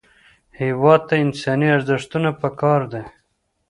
هېواد ته انساني ارزښتونه پکار دي